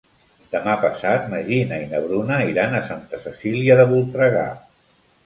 Demà passat na Gina i na Bruna iran a Santa Cecília de Voltregà.